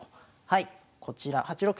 はいこちら８六